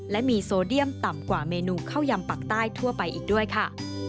และมีโซเดียมต่ำกว่าเมนูข้าวยำปากใต้ทั่วไปอีกด้วยค่ะ